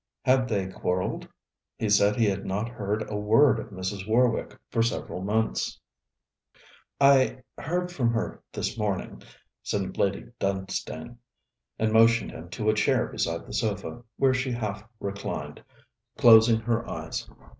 Had they quarrelled? He said he had not heard a word of Mrs. Warwick for several months. 'I heard from her this morning,' said Lady Dunstane, and motioned him to a chair beside the sofa, where she half reclined, closing her eyes.